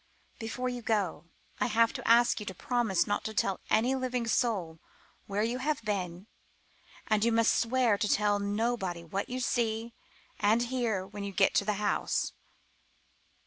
"Before you go, I have to ask you to promise not to tell any living soul where you have been; and you must swear to tell nobody what you see and hear when you get to the house."